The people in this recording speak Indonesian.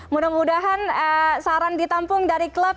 mudah mudahan saran ditampung dari klub